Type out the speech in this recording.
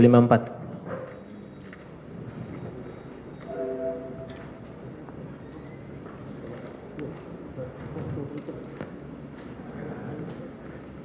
burung dua lagi